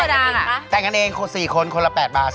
เดอร์คิลเลอร์ดังน่ะแต่งกันเอง๔คนคนละ๘บาท๑๒บาท